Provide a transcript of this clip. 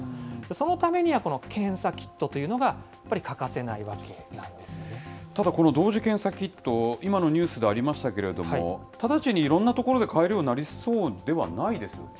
そのためには、この検査キットというのがやっぱり欠かせないわけただ、この同時検査キット、今のニュースでありましたけれども、直ちにいろんな所で買えるようになりそうではないですよね。